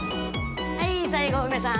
はい最後ウメさん。